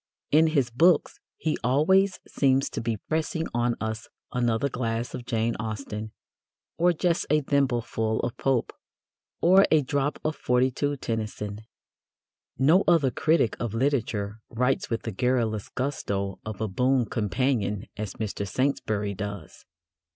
In his books he always seems to be pressing on us "another glass of Jane Austen," or "just a thimbleful of Pope," or "a drop of '42 Tennyson." No other critic of literature writes with the garrulous gusto of a boon companion as Mr. Saintsbury does.